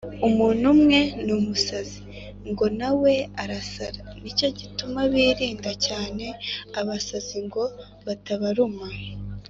Umuntu urumwe n’umusazi ngo na we arasara. Nicyo gituma birinda cyane abasazi ngo batabaruma.